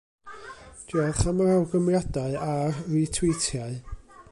Diolch am yr awgrymiadau, a'r rîtwîtiau.